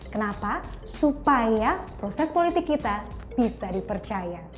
kenapa supaya proses politik kita bisa dipercaya